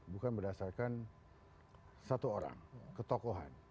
bukan berdasarkan satu orang ketokohan